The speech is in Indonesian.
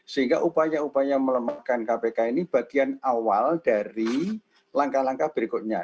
sehingga upaya upaya melemahkan kpk ini bagian awal dari langkah langkah berikutnya